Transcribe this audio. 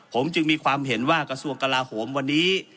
ผมจึงมีความเห็นว่ากระทรวงกลาโหมวันนี้